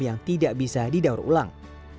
yang tidak bisa didaur ulang